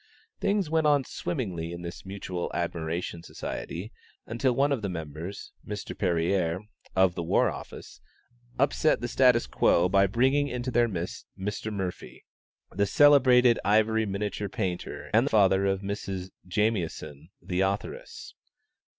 Things went on swimmingly in this Mutual Admiration Society, until one of the members, Mr. Perrier, of the War Office, upset the status quo by bringing into their midst Mr. Murphy, the celebrated ivory miniature painter, and father of Mrs. Jamieson, the authoress.